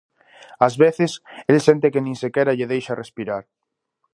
Ás veces el sente que nin sequera lle deixa respirar.